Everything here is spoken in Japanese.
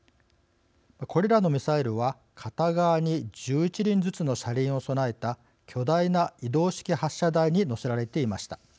これらのミサイルは片側に１１輪ずつの車輪を備えた巨大な移動式発射台に載せられていました。